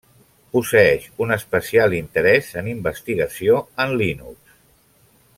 Posseeix un especial interès en investigació en Linux.